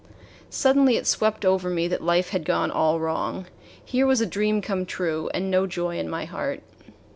Suddenly it swept over me that life had gone all wrong. Here was a dream come true, and no joy in my heart.